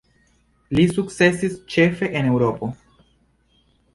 Ŝi sukcesis ĉefe en Eŭropo.